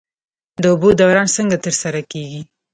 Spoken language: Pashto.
د اوبو دوران څنګه ترسره کیږي؟